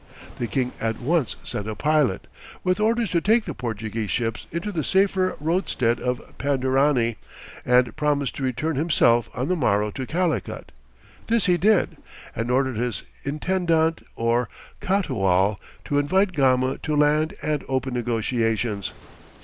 The king at once sent a pilot, with orders to take the Portuguese ships into the safer roadstead of Pandarany, and promised to return himself on the morrow to Calicut; this he did, and ordered his Intendant or Catoual to invite Gama to land and open negotiations.